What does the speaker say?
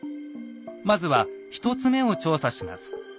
まずは１つ目を調査します。